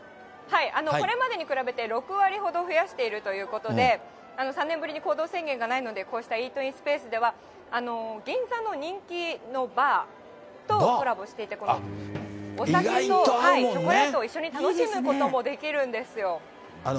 これまでに比べて６割ほど増やしているということで、３年ぶりに行動制限がないので、こうしたイートインスペースでは、銀座の人気のバーとコラボしていて、お酒とチョコレートを一緒に楽しむこともできるんですよ。